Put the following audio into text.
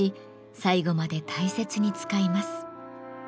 最後まで大切に使います。